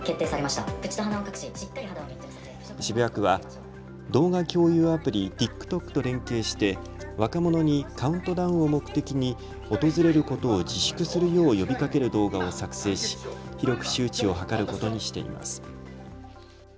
渋谷区は動画共有アプリ、ＴｉｋＴｏｋと連携して若者にカウントダウンを目的に訪れることを自粛するよう呼びかける動画を作成し広く周知を図ることにしています。